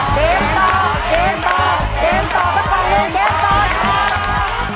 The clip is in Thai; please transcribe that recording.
สำเร็จนะครับ